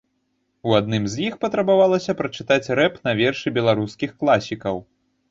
У адным з іх патрабавалася прачытаць рэп на вершы беларускіх класікаў.